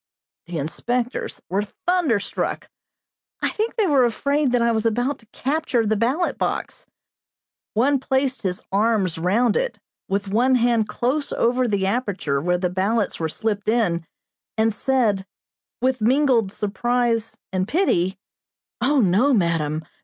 The inspectors were thunderstruck. I think they were afraid that I was about to capture the ballot box. One placed his arms round it, with one hand close over the aperture where the ballots were slipped in, and said, with mingled surprise and pity, "Oh, no, madam!